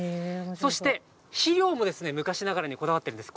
そして、肥料も昔ながらにこだわっているんです。